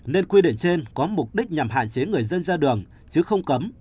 nên quy định trên có mục đích nhằm hạn chế người dân ra đường chứ không cấm